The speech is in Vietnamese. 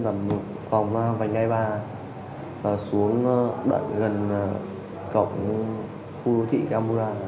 vào một vòng vàng vàng ngày ba xuống đợi gần cổng khu đô thị campura